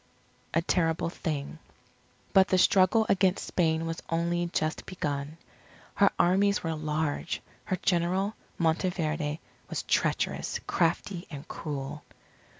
A TERRIBLE THING But the struggle against Spain was only just begun. Her armies were large. Her General, Monteverde, was treacherous, crafty, and cruel.